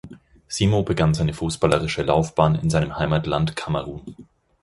Simo begann seine fußballerische Laufbahn in seinem Heimatland Kamerun.